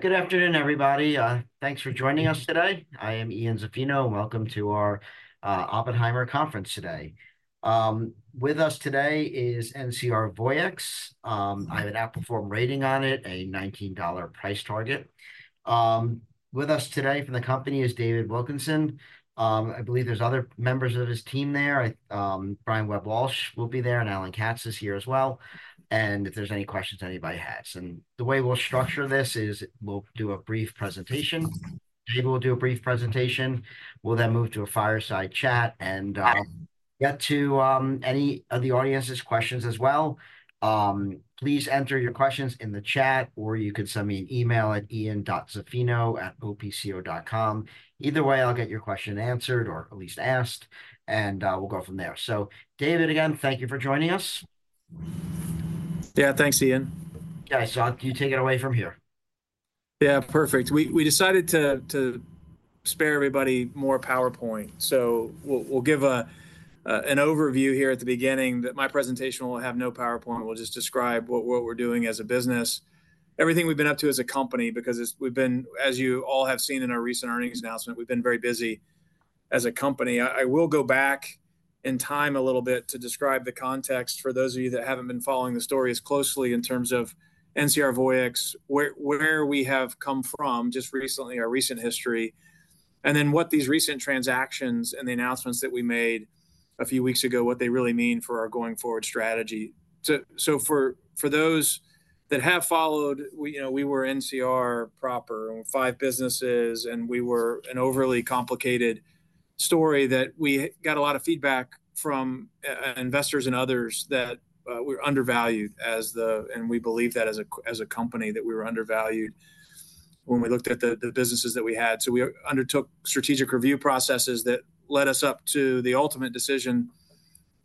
Hi, good afternoon, everybody. Thanks for joining us today. I am Ian Zaffino. Welcome to our Oppenheimer conference today. With us today is NCR Voyix. I have an Outperform rating on it, a $19 price target. With us today from the company is David Wilkinson. I believe there's other members of his team there. I, Brian Webb-Walsh will be there, and Alan Katz is here as well, and if there's any questions anybody has. The way we'll structure this is we'll do a brief presentation. David will do a brief presentation, we'll then move to a fireside chat and get to any of the audience's questions as well. Please enter your questions in the chat, or you can send me an email at ian.zaffino@opco.com. Either way, I'll get your question answered or at least asked, and we'll go from there. So David, again, thank you for joining us. Yeah, thanks, Ian. Yeah, so you take it away from here. Yeah, perfect. We decided to spare everybody more PowerPoint, so we'll give an overview here at the beginning, that my presentation will have no PowerPoint. We'll just describe what we're doing as a business, everything we've been up to as a company, because it's, we've been, as you all have seen in our recent earnings announcement, very busy as a company. I will go back in time a little bit to describe the context for those of you that haven't been following the story as closely in terms of NCR Voyix, where we have come from just recently, our recent history. And then what these recent transactions and the announcements that we made a few weeks ago, what they really mean for our going forward strategy. So for those that have followed, we, you know, we were NCR proper, five businesses, and we were an overly complicated story that we got a lot of feedback from investors and others that we're undervalued as the... And we believe that as a company, that we were undervalued when we looked at the businesses that we had. So we undertook strategic review processes that led us up to the ultimate decision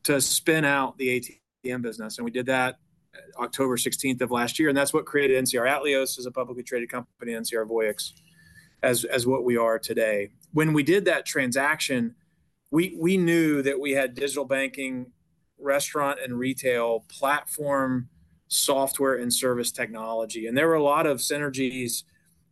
to spin out the ATM business, and we did that October 16th of last year, and that's what created NCR Atleos as a publicly traded company, NCR Voyix, as what we are today. When we did that transaction, we knew that we had digital banking, restaurant and retail platform, software and service technology, and there were a lot of synergies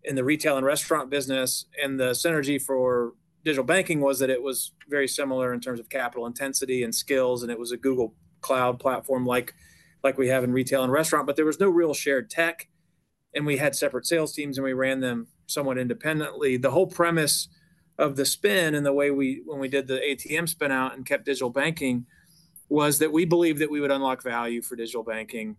in the retail and restaurant business. And the synergy for digital banking was that it was very similar in terms of capital intensity and skills, and it was a Google Cloud Platform, like we have in retail and restaurant, but there was no real shared tech. And we had separate sales teams, and we ran them somewhat independently. The whole premise of the spin and the way we when we did the ATM spin out and kept digital banking was that we believed that we would unlock value for digital banking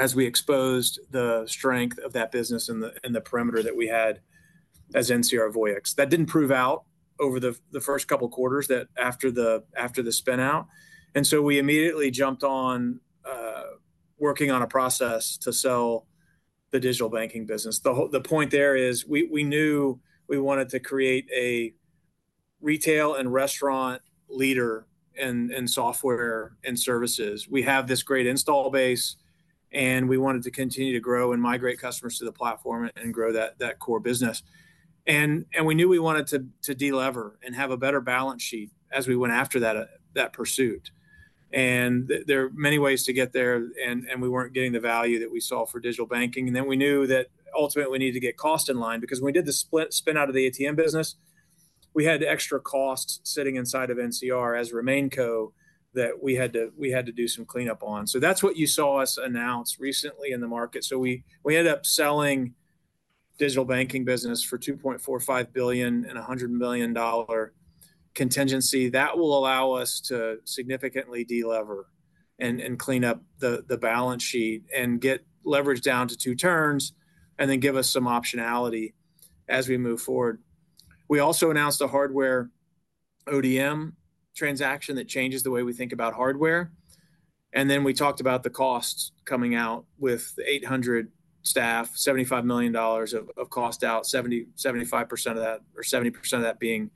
as we exposed the strength of that business and the perimeter that we had as NCR Voyix. That didn't prove out over the first couple quarters after the spin out, and so we immediately jumped on working on a process to sell the digital banking business. The point there is, we knew we wanted to create a retail and restaurant leader in software and services. We have this great installed base, and we wanted to continue to grow and migrate customers to the platform and grow that core business. We knew we wanted to de-lever and have a better balance sheet as we went after that pursuit. There are many ways to get there, and we weren't getting the value that we saw for digital banking. Then we knew that ultimately we needed to get cost in line, because when we did the split spin out of the ATM business, we had extra costs sitting inside of NCR as RemainCo that we had to do some cleanup on. So that's what you saw us announce recently in the market. So we ended up selling digital banking business for $2.45 billion and a $100 million contingency. That will allow us to significantly de-lever and clean up the balance sheet, and get leverage down to two turns, and then give us some optionality as we move forward. We also announced a hardware ODM transaction that changes the way we think about hardware, and then we talked about the costs coming out with 800 staff, $75 million of cost out, 75% of that or 70% of that being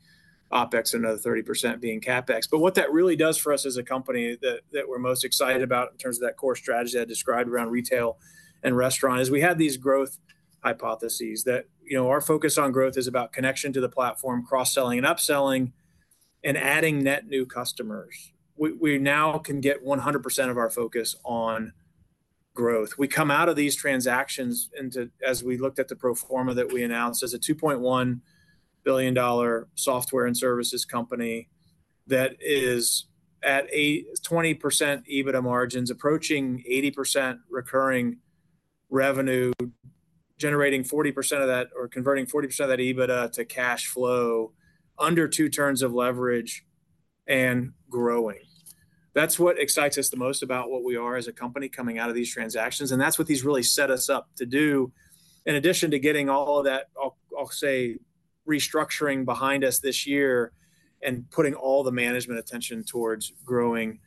OpEx, another 30% being CapEx. But what that really does for us as a company that, that we're most excited about in terms of that core strategy I described around retail and restaurant, is we had these growth hypotheses that, you know, our focus on growth is about connection to the platform, cross-selling and upselling, and adding net new customers. We, we now can get 100% of our focus on growth. We come out of these transactions into... as we looked at the pro forma that we announced, as a $2.1 billion software and services company that is at a 20% EBITDA margins, approaching 80% recurring revenue, generating 40% of that, or converting 40% of that EBITDA to cash flow under two turns of leverage and growing. That's what excites us the most about what we are as a company coming out of these transactions, and that's what these really set us up to do. In addition to getting all of that, I'll say, restructuring behind us this year and putting all the management attention towards growing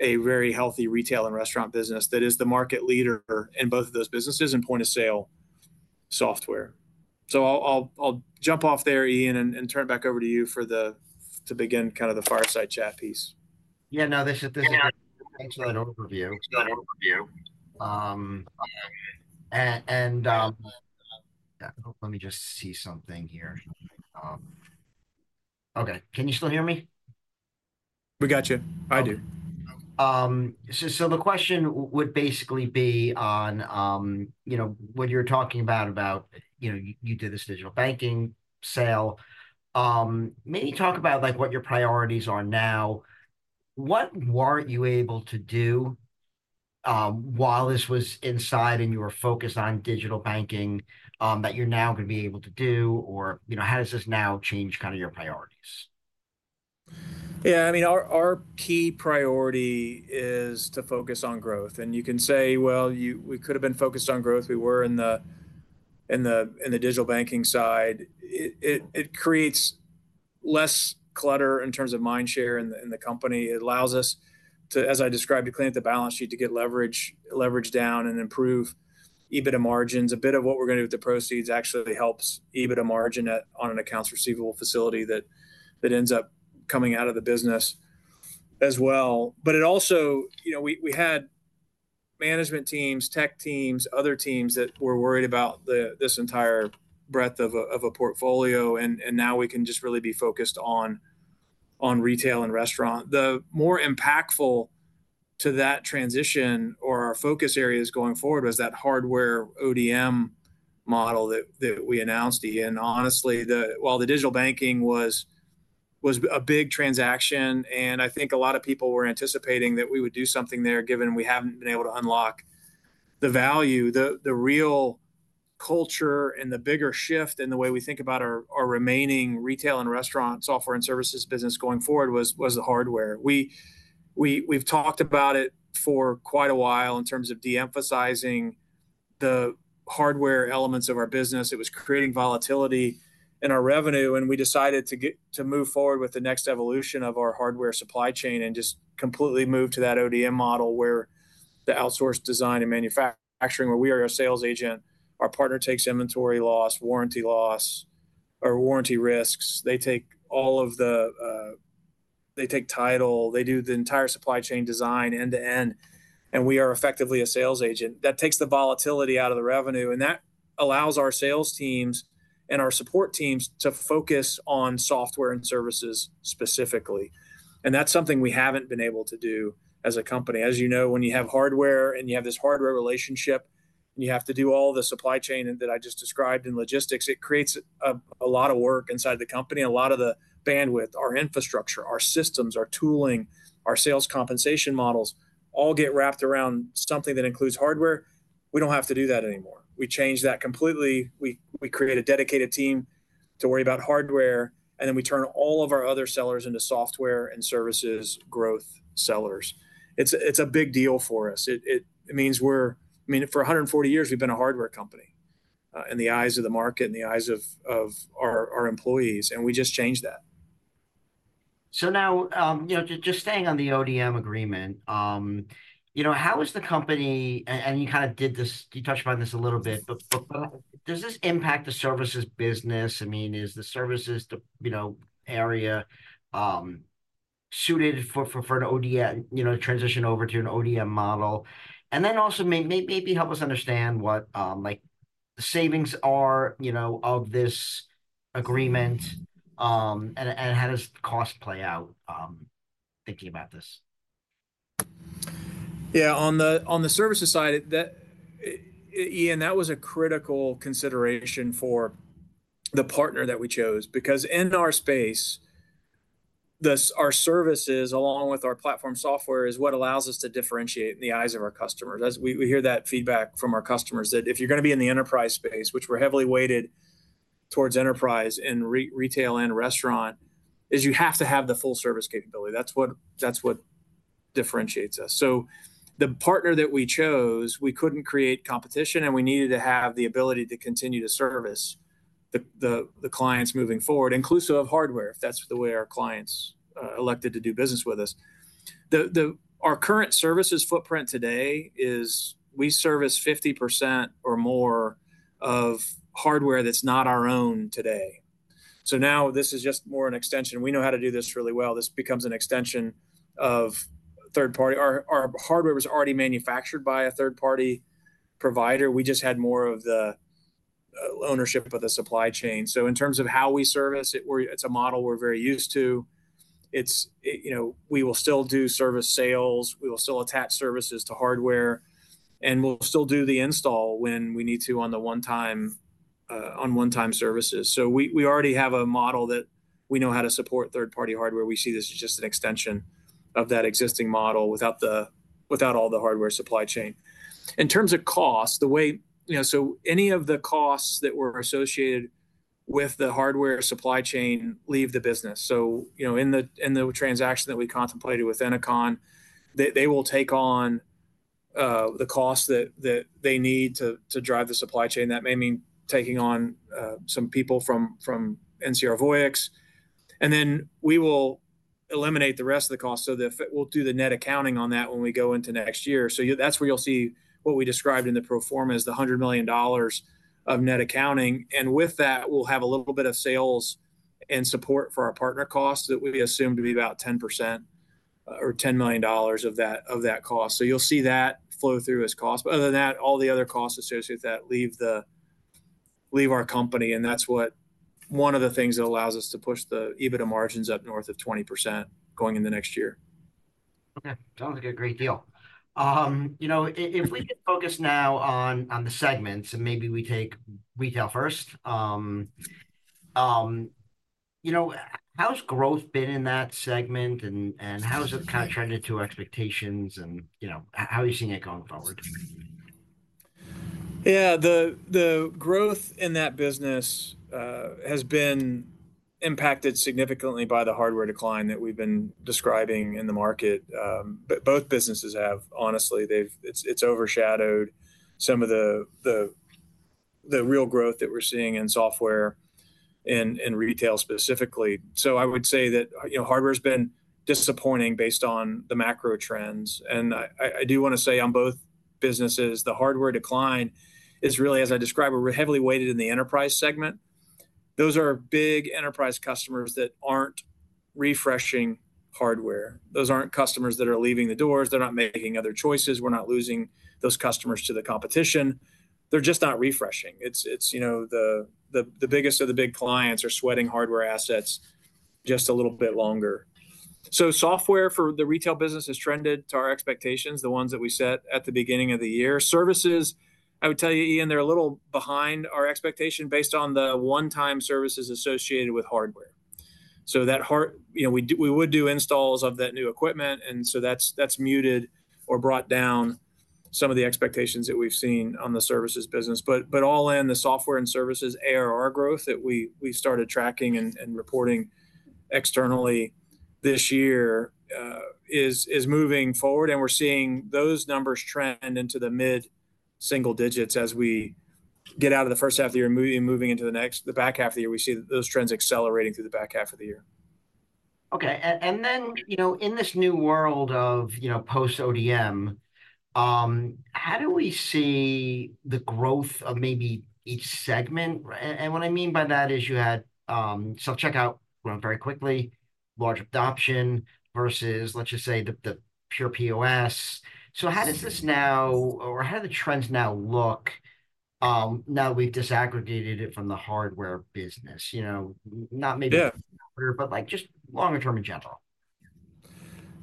a very healthy retail and restaurant business, that is the market leader in both of those businesses in point-of-sale software. So I'll jump off there, Ian, and turn it back over to you to begin kind of the fireside chat piece. Yeah, no, this is -... excellent overview, great overview. Let me just see something here. Okay. Can you still hear me?... We got you. I do. So, so the question would basically be on, you know, what you're talking about, about, you know, you, you did this digital banking sale. Maybe talk about, like, what your priorities are now. What weren't you able to do, while this was inside and you were focused on digital banking, that you're now gonna be able to do? Or, you know, how does this now change kind of your priorities? Yeah, I mean, our key priority is to focus on growth. And you can say, well, we could've been focused on growth, we were in the digital banking side. It creates less clutter in terms of mind share in the company. It allows us to, as I described, to clean up the balance sheet, to get leverage down and improve EBITDA margins. A bit of what we're gonna do with the proceeds actually helps EBITDA margin on an accounts receivable facility that ends up coming out of the business as well. But it also... You know, we had management teams, tech teams, other teams that were worried about this entire breadth of a portfolio, and now we can just really be focused on retail and restaurant. The more impactful to that transition, or our focus areas going forward, was that hardware ODM model that we announced, Ian. Honestly, while the digital banking was a big transaction, and I think a lot of people were anticipating that we would do something there, given we haven't been able to unlock the value, the real culture and the bigger shift in the way we think about our remaining retail and restaurant software and services business going forward, was the hardware. We've talked about it for quite a while in terms of de-emphasizing the hardware elements of our business. It was creating volatility in our revenue, and we decided to move forward with the next evolution of our hardware supply chain, and just completely move to that ODM model, where the outsourced design and manufacturing, where we are a sales agent. Our partner takes inventory loss, warranty loss, or warranty risks. They take all of the. They take title. They do the entire supply chain design, end-to-end, and we are effectively a sales agent. That takes the volatility out of the revenue, and that allows our sales teams and our support teams to focus on software and services specifically, and that's something we haven't been able to do as a company. As you know, when you have hardware, and you have this hardware relationship, and you have to do all the supply chain that I just described in logistics, it creates a lot of work inside the company, and a lot of the bandwidth. Our infrastructure, our systems, our tooling, our sales compensation models, all get wrapped around something that includes hardware. We don't have to do that anymore. We changed that completely. We created a dedicated team to worry about hardware, and then we turn all of our other sellers into software and services growth sellers. It's a big deal for us. It means we're... I mean, for 140 years, we've been a hardware company, in the eyes of the market, in the eyes of our employees, and we just changed that. So now, you know, just staying on the ODM agreement, you know, how is the company... and you kind of did this, you touched upon this a little bit, but does this impact the services business? I mean, is the services the, you know, area suited for an ODM, you know, to transition over to an ODM model? And then also, maybe help us understand what, like, the savings are, you know, of this agreement, and how does the cost play out, thinking about this? Yeah, on the services side, Ian, that was a critical consideration for the partner that we chose. Because in our space, our services, along with our platform software, is what allows us to differentiate in the eyes of our customers. As we hear that feedback from our customers, that if you're gonna be in the enterprise space, which we're heavily weighted towards enterprise, and retail and restaurant, is you have to have the full service capability. That's what, that's what differentiates us. So the partner that we chose, we couldn't create competition, and we needed to have the ability to continue to service the clients moving forward, inclusive of hardware, if that's the way our clients elected to do business with us. Our current services footprint today is we service 50% or more of hardware that's not our own today. So now this is just more an extension. We know how to do this really well. This becomes an extension of third-party. Our hardware was already manufactured by a third-party provider. We just had more of the ownership of the supply chain. So in terms of how we service it, we're, it's a model we're very used to. It's, you know, we will still do service sales, we will still attach services to hardware, and we'll still do the install when we need to on the one-time, on one-time services. So we already have a model that we know how to support third-party hardware. We see this as just an extension of that existing model without the, without all the hardware supply chain. In terms of cost, the way... You know, so any of the costs that were associated with the hardware supply chain leave the business. So, you know, in the, in the transaction that we contemplated with Ennoconn, they, they will take on the costs that, that they need to, to drive the supply chain. That may mean taking on some people from, from NCR Voyix, and then we will eliminate the rest of the cost. So we'll do the net accounting on that when we go into next year. So you, that's where you'll see what we described in the pro forma as the $100 million of net accounting, and with that, we'll have a little bit of sales and support for our partner costs, that we assume to be about 10%, or $10 million of that, of that cost. So you'll see that flow through as cost. But other than that, all the other costs associated with that leave our company, and that's what, one of the things that allows us to push the EBITDA margins up north of 20% going into next year. Okay, sounds like a great deal. You know, if we can focus now on the segments, and maybe we take retail first. You know, how's growth been in that segment, and how has it kind of trended to expectations, and you know, how are you seeing it going forward? Yeah, the growth in that business has been impacted significantly by the hardware decline that we've been describing in the market. But both businesses have. Honestly, it's overshadowed some of the real growth that we're seeing in software, in retail specifically. So I would say that, you know, hardware's been disappointing based on the macro trends. And I do wanna say on both businesses, the hardware decline is really, as I describe it, we're heavily weighted in the enterprise segment. Those are big enterprise customers that aren't refreshing hardware. Those aren't customers that are leaving the doors. They're not making other choices. We're not losing those customers to the competition. They're just not refreshing. It's, you know, the biggest of the big clients are sweating hardware assets just a little bit longer. So software for the retail business has trended to our expectations, the ones that we set at the beginning of the year. Services, I would tell you, Ian, they're a little behind our expectation based on the one-time services associated with hardware. So that hardware, you know, we would do installs of that new equipment, and so that's, that's muted or brought down some of the expectations that we've seen on the services business. But, but all in, the software and services ARR growth that we, we started tracking and, and reporting externally this year, is, is moving forward, and we're seeing those numbers trend into the mid-single digits as we get out of the first half of the year, and moving, moving into the next, the back half of the year, we see those trends accelerating through the back half of the year. Okay. And then, you know, in this new world of, you know, post-ODM, how do we see the growth of maybe each segment? And what I mean by that is, you had self-checkout growing very quickly, large adoption, versus, let's just, the pure POS. So how does this now... Or how do the trends now look, now we've disaggregated it from the hardware business? You know, not maybe-... but, like, just longer term in general.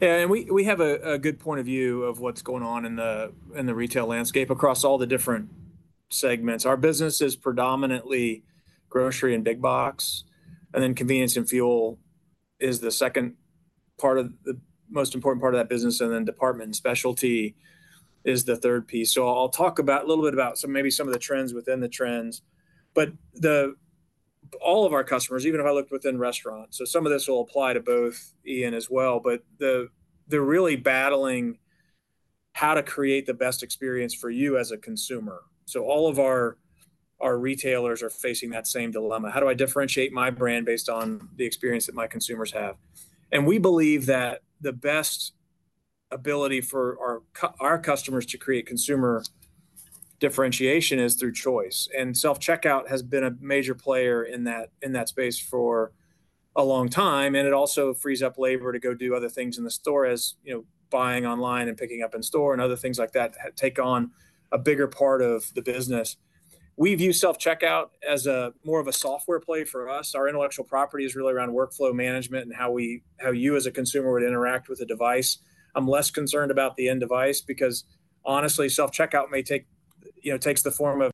Yeah, and we have a good point of view of what's going on in the retail landscape across all the different segments. Our business is predominantly grocery and big box, and then convenience and fuel is the second part of the most important part of that business, and then department and specialty is the third piece. So I'll talk about a little bit about some maybe some of the trends within the trends. But all of our customers, even if I looked within restaurants, so some of this will apply to both, Ian, as well, but they're really battling how to create the best experience for you as a consumer. So all of our retailers are facing that same dilemma: "How do I differentiate my brand based on the experience that my consumers have?" And we believe that the best ability for our our customers to create consumer differentiation is through choice, and self-checkout has been a major player in that, in that space for a long time, and it also frees up labor to go do other things in the store, as, you know, buying online and picking up in store and other things like that, take on a bigger part of the business. We view self-checkout as a more of a software play for us. Our intellectual property is really around workflow management and how how you as a consumer would interact with a device. I'm less concerned about the end device, because honestly, self-checkout may take, you know, takes the form of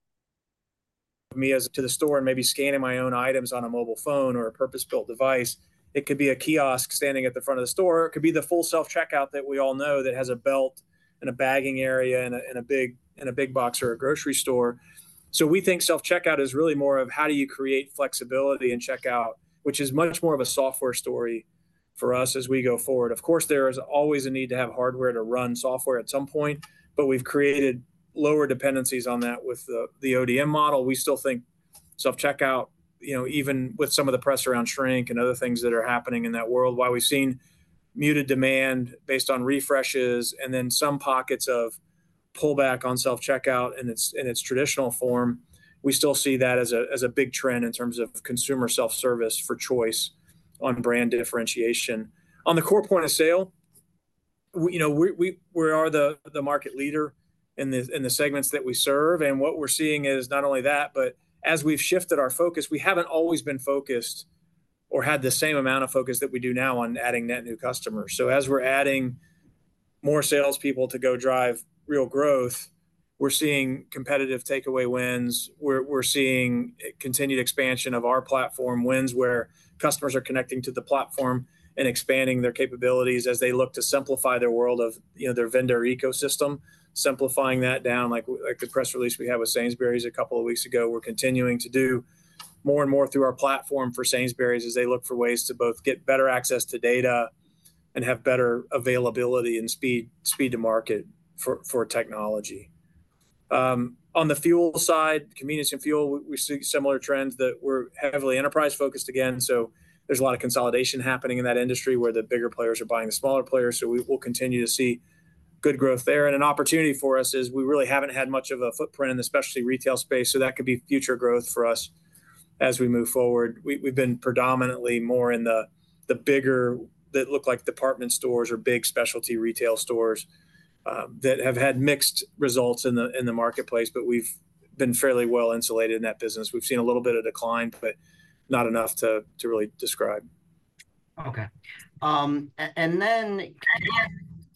me as to the store and maybe scanning my own items on a mobile phone or a purpose-built device. It could be a kiosk standing at the front of the store, or it could be the full self-checkout that we all know that has a belt and a bagging area in a big box or a grocery store. So we think self-checkout is really more of how do you create flexibility in checkout, which is much more of a software story for us as we go forward. Of course, there is always a need to have hardware to run software at some point, but we've created lower dependencies on that with the ODM model. We still think self-checkout, you know, even with some of the press around shrink and other things that are happening in that world, while we've seen muted demand based on refreshes and then some pockets of pullback on self-checkout in its traditional form, we still see that as a big trend in terms of consumer self-service for choice on brand differentiation. On the core Point of Sale, you know, we are the market leader in the segments that we serve, and what we're seeing is not only that, but as we've shifted our focus, we haven't always been focused or had the same amount of focus that we do now on adding net new customers. So as we're adding more salespeople to go drive real growth, we're seeing competitive takeaway wins. We're seeing a continued expansion of our platform wins, where customers are connecting to the platform and expanding their capabilities as they look to simplify their world of, you know, their vendor ecosystem, simplifying that down, like the press release we had with Sainsbury's a couple of weeks ago. We're continuing to do more and more through our platform for Sainsbury's as they look for ways to both get better access to data and have better availability and speed to market for technology. On the fuel side, convenience and fuel, we see similar trends that we're heavily enterprise-focused again, so there's a lot of consolidation happening in that industry, where the bigger players are buying the smaller players. So we will continue to see good growth there. An opportunity for us is, we really haven't had much of a footprint in the specialty retail space, so that could be future growth for us as we move forward. We've been predominantly more in the bigger, that look like department stores or big specialty retail stores, that have had mixed results in the marketplace, but we've been fairly well-insulated in that business. We've seen a little bit of decline, but not enough to really describe. Okay. And then,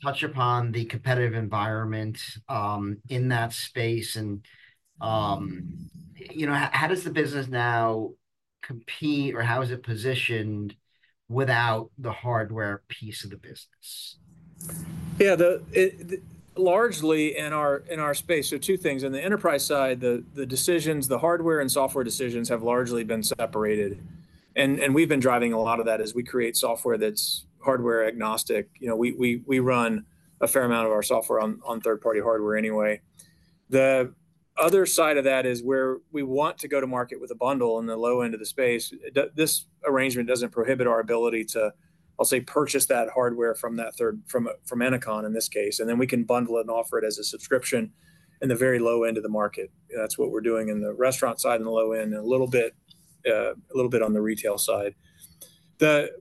touch upon the competitive environment in that space and, you know, how does the business now compete, or how is it positioned without the hardware piece of the business? Largely, in our space, so two things: on the enterprise side, the decisions, the hardware and software decisions have largely been separated. And we've been driving a lot of that as we create software that's hardware-agnostic. You know, we run a fair amount of our software on third-party hardware anyway. The other side of that is where we want to go to market with a bundle in the low end of the space. This arrangement doesn't prohibit our ability to, I'll say, purchase that hardware from Ennoconn, in this case, and then we can bundle it and offer it as a subscription in the very low end of the market. That's what we're doing in the restaurant side in the low end, and a little bit on the retail side. But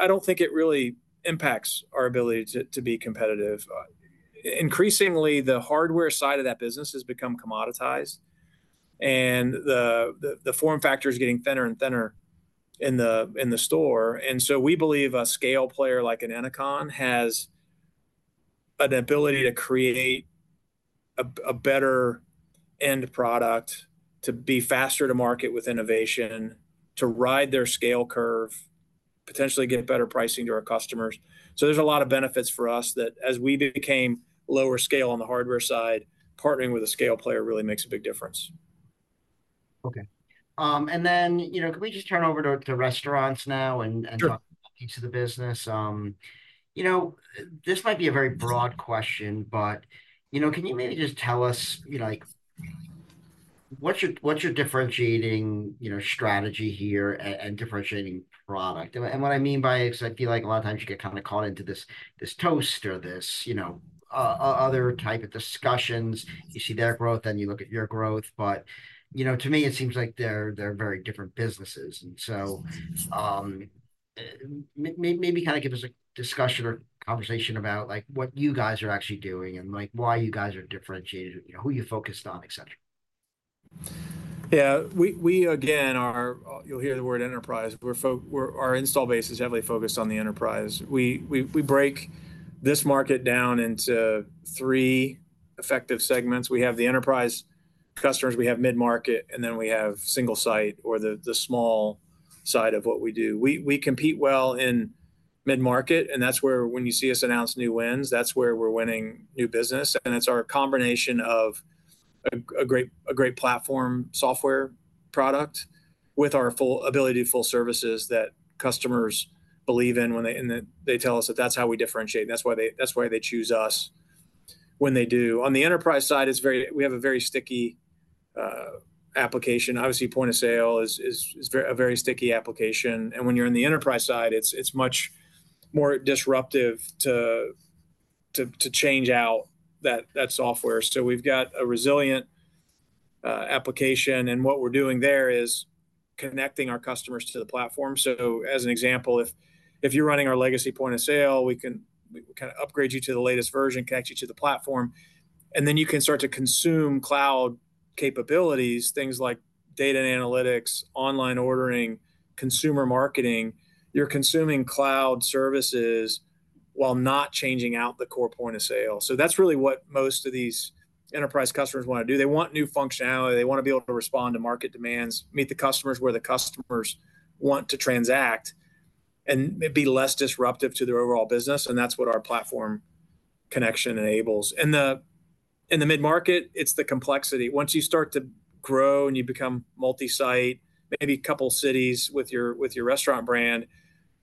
I don't think it really impacts our ability to be competitive. Increasingly, the hardware side of that business has become commoditized, and the form factor is getting thinner and thinner in the store. And so we believe a scale player, like an Ennoconn, has an ability to create a better end product to be faster to market with innovation, to ride their scale curve, potentially get better pricing to our customers. So there's a lot of benefits for us that as we became lower scale on the hardware side, partnering with a scale player really makes a big difference. Okay. And then, you know, can we just turn over to restaurants now, and- Sure... talk into the business? You know, this might be a very broad question, but, you know, can you maybe just tell us, you know, like, what's your, what's your differentiating, you know, strategy here and differentiating product? And what, what I mean by it, is I feel like a lot of times you get kind of caught into this, this Toast or this, you know, other type of discussions. You see their growth, then you look at your growth. But, you know, to me, it seems like they're, they're very different businesses. And so, maybe kind of give us a discussion or conversation about, like, what you guys are actually doing and, like, why you guys are differentiated, you know, who you're focused on, et cetera. Yeah, we again are. You'll hear the word enterprise. Our install base is heavily focused on the enterprise. We break this market down into three effective segments. We have the enterprise customers, we have mid-market, and then we have single site or the small side of what we do. We compete well in mid-market, and that's where when you see us announce new wins, that's where we're winning new business, and it's our combination of a great platform software product with our full ability to full services that customers believe in when they. And they tell us that that's how we differentiate, and that's why they choose us when they do. On the enterprise side, it's very sticky. We have a very sticky application. Obviously, Point of Sale is a very sticky application, and when you're in the enterprise side, it's much more disruptive to change out that software. So we've got a resilient application, and what we're doing there is connecting our customers to the Platform. So as an example, if you're running our legacy Point of Sale, we can kind of upgrade you to the latest version, connect you to the Platform, and then you can start to consume cloud capabilities, things like data and analytics, online ordering, consumer marketing. You're consuming cloud services while not changing out the core Point of Sale. So that's really what most of these enterprise customers want to do. They want new functionality, they want to be able to respond to market demands, meet the customers where the customers want to transact, and maybe less disruptive to their overall business, and that's what our platform connection enables. In the mid-market, it's the complexity. Once you start to grow and you become multi-site, maybe a couple of cities with your restaurant brand,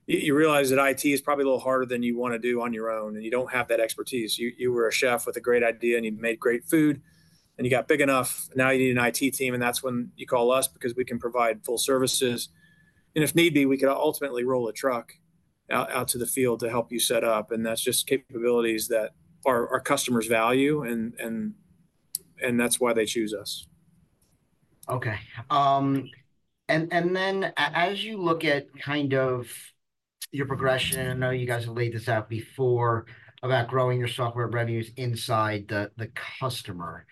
you realize that IT is probably a little harder than you want to do on your own, and you don't have that expertise. You were a chef with a great idea, and you made great food, and you got big enough. Now you need an IT team, and that's when you call us because we can provide full services. If need be, we can ultimately roll a truck out to the field to help you set up, and that's just capabilities that our customers value, and that's why they choose us. Okay. And then as you look at kind of your progression, I know you guys have laid this out before about growing your software revenues inside the customer,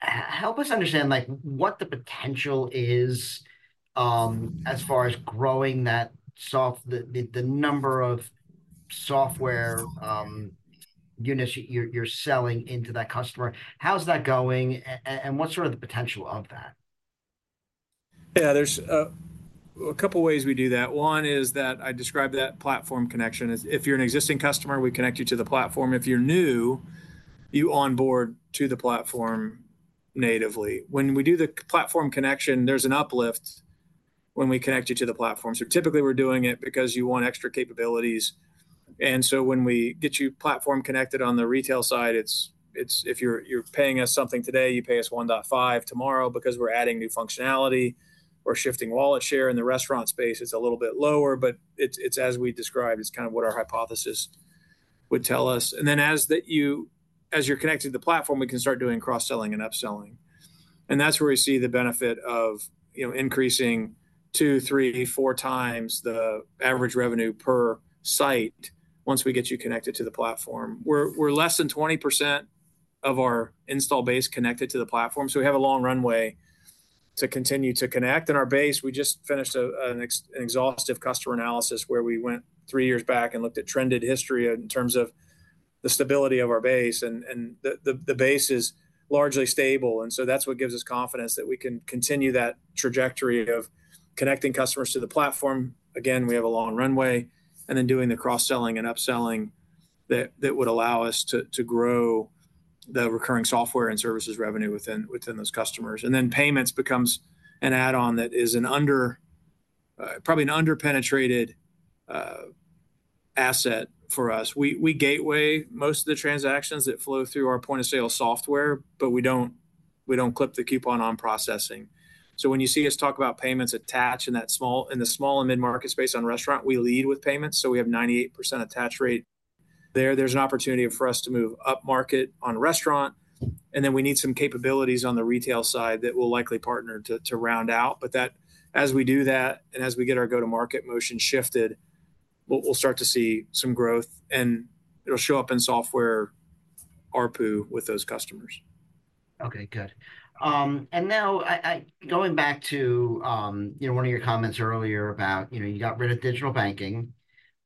help us understand, like, what the potential is, as far as growing that software, the number of software units you're selling into that customer. How's that going, and what's sort of the potential of that? Yeah, there's a couple of ways we do that. One is that I describe that platform connection. If you're an existing customer, we connect you to the platform. If you're new, you onboard to the platform natively. When we do the platform connection, there's an uplift when we connect you to the platform. So typically, we're doing it because you want extra capabilities. And so when we get you platform connected on the retail side, it's... If you're paying us something today, you pay us 1.5 tomorrow because we're adding new functionality or shifting wallet share. In the restaurant space, it's a little bit lower, but it's, as we described, it's kind of what our hypothesis would tell us, and then as you're connected to the platform, we can start doing cross-selling and upselling. That's where we see the benefit of, you know, increasing 2x, 3x, 4x the average revenue per site once we get you connected to the platform. We're less than 20% of our install base connected to the platform, so we have a long runway to continue to connect. Our base, we just finished an exhaustive customer analysis, where we went 3 years back and looked at trended history in terms of the stability of our base, and the base is largely stable. So that's what gives us confidence that we can continue that trajectory of connecting customers to the platform. Again, we have a long runway, and then doing the cross-selling and upselling that would allow us to grow the recurring software and services revenue within those customers. And then payments becomes an add-on that is probably an under-penetrated asset for us. We gateway most of the transactions that flow through our point-of-sale software, but we don't clip the coupon on processing. So when you see us talk about payments attach in that small and mid-market space on restaurant, we lead with payments, so we have 98% attach rate there. There's an opportunity for us to move upmarket on restaurant, and then we need some capabilities on the retail side that we'll likely partner to round out. But that. As we do that, and as we get our go-to-market motion shifted, we'll start to see some growth, and it'll show up in software ARPU with those customers. Okay, good. And now, going back to, you know, one of your comments earlier about, you know, you got rid of digital banking.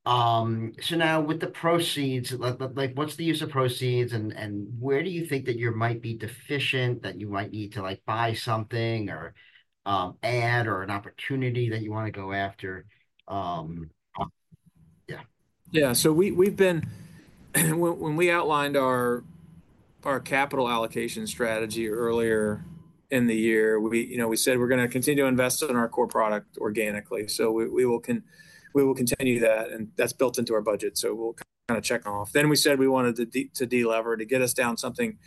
So now with the proceeds, like, what's the use of proceeds, and where do you think that you might be deficient, that you might need to, like, buy something, or add, or an opportunity that you wanna go after? Yeah. Yeah, so we've been. When we outlined our capital allocation strategy earlier in the year, we, you know, we said we're gonna continue to invest in our core product organically. So we will continue that, and that's built into our budget, so we'll kinda check off. Then we said we wanted to de-lever, to get us down something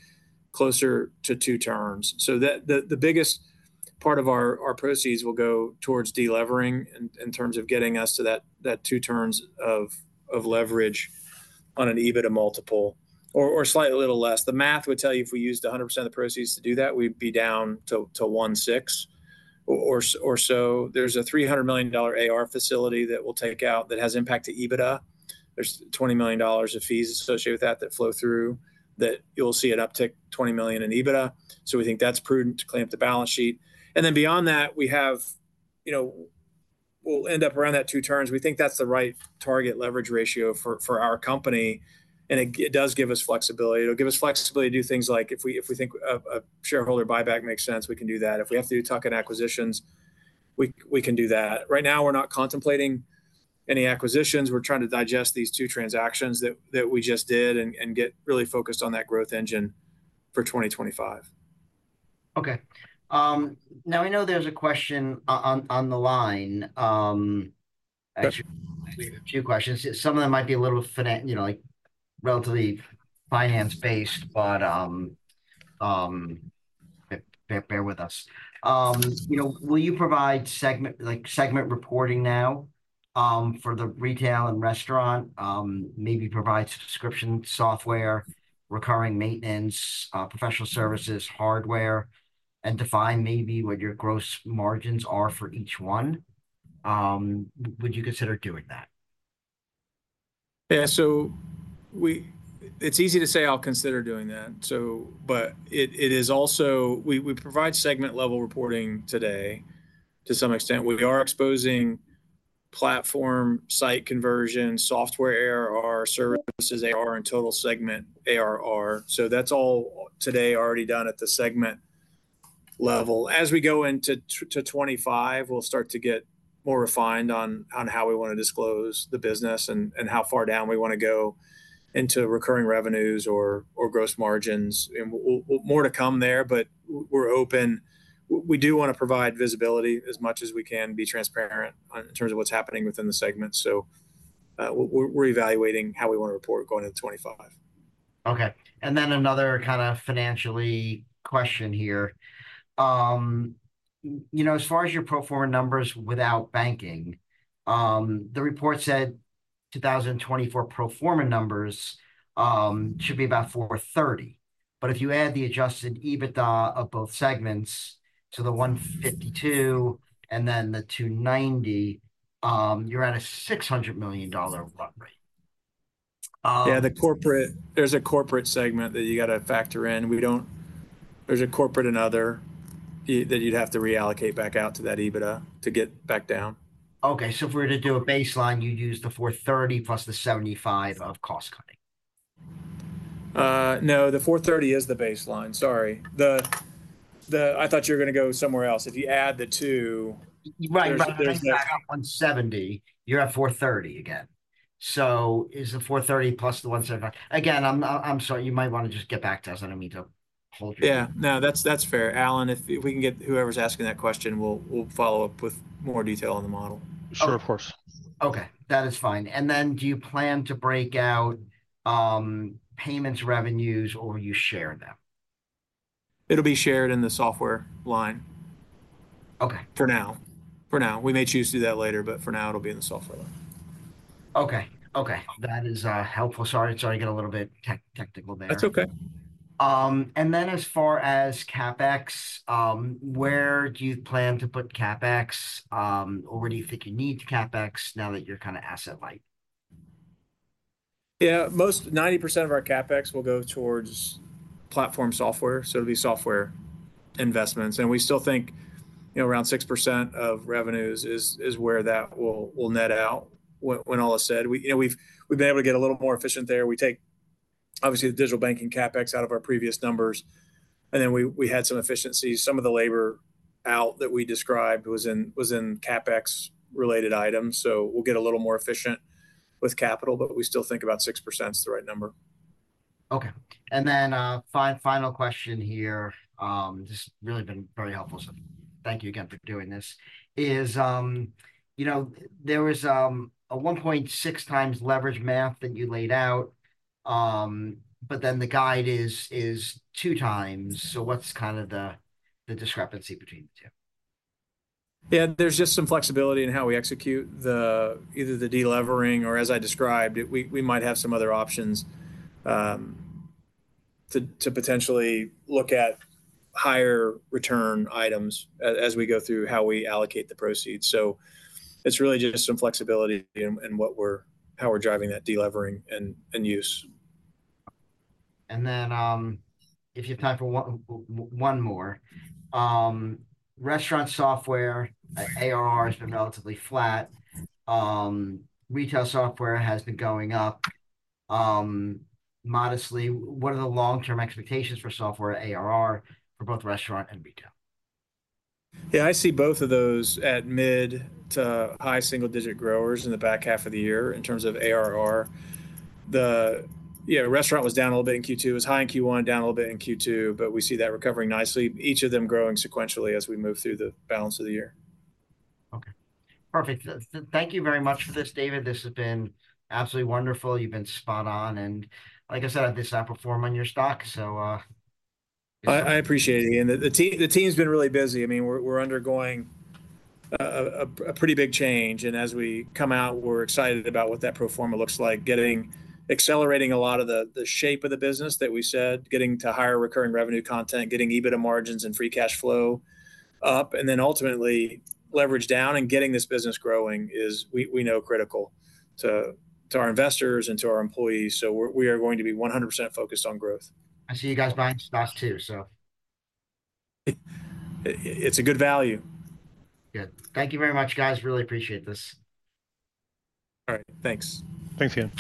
closer to two turns. So the biggest part of our proceeds will go towards de-levering in terms of getting us to that two turns of leverage on an EBITDA multiple or slightly a little less. The math would tell you if we used 100% of the proceeds to do that, we'd be down to 1.6 or so. There's a $300 million AR facility that we'll take out that has impact to EBITDA. There's $20 million of fees associated with that, that flow through, that you'll see an uptick $20 million in EBITDA, so we think that's prudent to clean up the balance sheet. And then beyond that, we have... You know, we'll end up around that 2 turns. We think that's the right target leverage ratio for our company, and it does give us flexibility. It'll give us flexibility to do things like if we think a shareholder buyback makes sense, we can do that. If we have to do tuck-in acquisitions, we can do that. Right now, we're not contemplating any acquisitions. We're trying to digest these two transactions that we just did and get really focused on that growth engine for 2025. Okay. Now I know there's a question on the line. Actually-... a few questions. Some of them might be a little finance- you know, like, relatively finance-based, but, bear with us. You know, will you provide segment, like, segment reporting now, for the retail and restaurant? Maybe provide subscription software, recurring maintenance, professional services, hardware, and define maybe what your gross margins are for each one. Would you consider doing that? Yeah, so it's easy to say I'll consider doing that, so but it is also. We provide segment-level reporting today to some extent. We are exposing platform, site conversion, software ARR, services ARR, and total segment ARR. So that's all today already done at the segment level. As we go into 2025, we'll start to get more refined on how we wanna disclose the business and how far down we wanna go into recurring revenues or gross margins, and more to come there, but we're open. We do wanna provide visibility as much as we can, be transparent in terms of what's happening within the segment, so we're evaluating how we wanna report going into 2025. Okay, and then another kind of financial question here. You know, as far as your pro forma numbers without banking, the report said 2024 pro forma numbers should be about $430. But if you add the adjusted EBITDA of both segments, so the $152 and then the $290, you're at a $600 million run rate. Yeah, the corporate... There's a corporate segment that you gotta factor in. We don't... There's a corporate and other that you'd have to reallocate back out to that EBITDA to get back down. Okay, so if we're to do a baseline, you'd use the 430 plus the 75 of cost-cutting? No, the 430 is the baseline. Sorry. I thought you were gonna go somewhere else. If you add the two-... there's- $170, you're at $430 again. So is it $430 plus the $175? Again, I'm sorry, you might wanna just get back to us. I don't mean to hold you. Yeah. No, that's, that's fair. Alan, if, if we can get whoever's asking that question, we'll, we'll follow up with more detail on the model. Sure, of course. Okay, that is fine. And then do you plan to break out, payments revenues, or will you share them?... it'll be shared in the software line. Okay. For now, for now. We may choose to do that later, but for now it'll be in the software line. Okay. Okay, that is, helpful. Sorry, sorry, I get a little bit technical there. That's okay. As far as CapEx, where do you plan to put CapEx? Or where do you think you need CapEx now that you're kind of asset light? Yeah, most 90% of our CapEx will go towards platform software, so it'll be software investments. And we still think, you know, around 6% of revenues is where that will net out when all is said. We, you know, we've been able to get a little more efficient there. We take, obviously, the digital banking CapEx out of our previous numbers, and then we had some efficiencies. Some of the labor out that we described was in CapEx-related items, so we'll get a little more efficient with capital, but we still think about 6% is the right number. Okay. And then, final question here, this has really been very helpful, so thank you again for doing this, is, you know, there was a 1.6x leverage math that you laid out, but then the guide is 2x. So what's kind of the discrepancy between the two? Yeah, there's just some flexibility in how we execute the, either the de-levering or, as I described, we might have some other options to potentially look at higher return items as we go through how we allocate the proceeds. So it's really just some flexibility in what we're, how we're driving that de-levering and use. And then, if you have time for one more. Restaurant software ARR has been relatively flat. Retail software has been going up modestly. What are the long-term expectations for software ARR for both restaurant and retail? Yeah, I see both of those at mid- to high single-digit growers in the back half of the year in terms of ARR. The, yeah, restaurant was down a little bit in Q2. It was high in Q1, down a little bit in Q2, but we see that recovering nicely, each of them growing sequentially as we move through the balance of the year. Okay, perfect. Thank you very much for this, David. This has been absolutely wonderful. You've been spot on, and like I said, I just outperform on your stock, so. I appreciate it, Ian. The team, the team's been really busy. I mean, we're undergoing a pretty big change, and as we come out, we're excited about what that pro forma looks like. Getting... Accelerating a lot of the shape of the business that we said, getting to higher recurring revenue content, getting EBITDA margins and free cash flow up, and then ultimately leverage down and getting this business growing is, we know, critical to our investors and to our employees. So we are going to be 100% focused on growth. I see you guys buying stock too, so. It's a good value. Good. Thank you very much, guys. Really appreciate this. All right, thanks. Thanks, Ian.